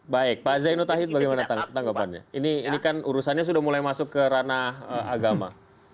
baik pak zainu tahid bagaimana tanggapannya ini kan urusannya sudah mulai masuk ke ranah agama